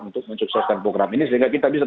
untuk mensukseskan program ini sehingga kita bisa